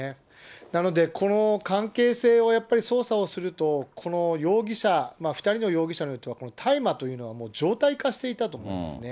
なので、この関係性をやっぱり捜査をすると、この容疑者、２人の容疑者、大麻というのは、もう常態化していたと思いますね。